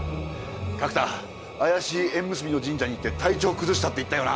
角田怪しい縁結びの神社に行って体調を崩したって言ったよな？